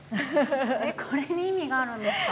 これに意味があるんですか？